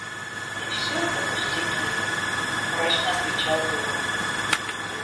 И всё это пустяки, — мрачно отвечал Левин.